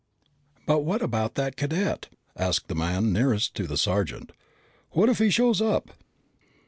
"But what about that cadet?" asked the man nearest to the sergeant. "What if he shows up?"